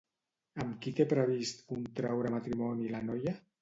Amb qui té previst contraure matrimoni la noia?